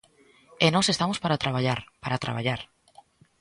E nós estamos para traballar, para traballar.